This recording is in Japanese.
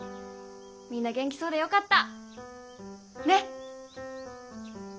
みんな元気そうでよかったねっ。